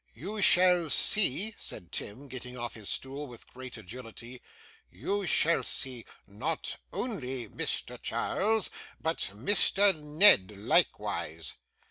'You shall see,' said Tim, getting off his stool with great agility, 'you shall see, not only Mr. Charles, but Mr. Ned likewise.